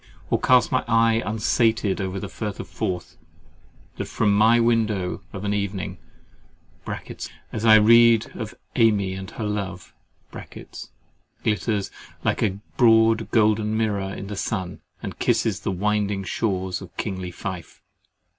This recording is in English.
Or cast my eye unsated over the Firth of Forth, that from my window of an evening (as I read of AMY and her love) glitters like a broad golden mirror in the sun, and kisses the winding shores of kingly Fife?